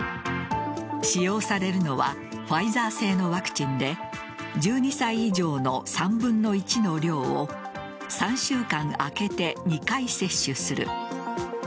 使用されるのはファイザー製のワクチンで１２歳以上の３分の１の量を３週間空けて２回接種する。